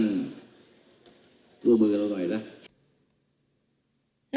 ร่วมมือกับเราหน่อยนะ